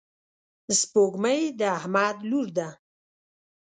سپوږمۍ د احمد لور ده.